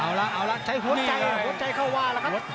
เอาละเอาละใช้หัวใจหัวใจเข้าว่าแล้วครับ